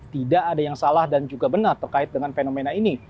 tidak ada yang salah dan juga benar terkait dengan fenomena ini